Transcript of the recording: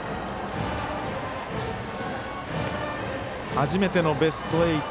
初めてのベスト８